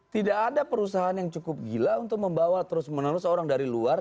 tidak ada perusahaan yang cukup gila untuk membawa terus menerus orang dari luar